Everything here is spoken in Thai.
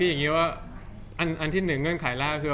เอาอย่างงี้ฉะนั้นผมตากความสามใช่ไหมอันที่หนึ่งเงื่อนขายน่าก็คือ